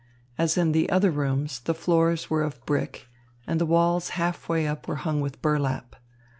As in the other rooms, the floors were of brick, and the walls half way up were hung with burlap.